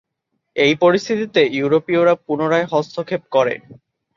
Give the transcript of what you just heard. এই পরিস্থিতিতে ইউরোপীয়রা পুনরায় হস্তক্ষেপ করে।